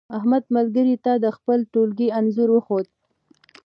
احمد ملګري ته د خپل ټولگي انځور وښود.